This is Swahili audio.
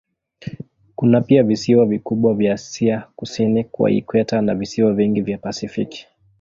Kuna pia visiwa vikubwa vya Asia kusini kwa ikweta na visiwa vingi vya Pasifiki.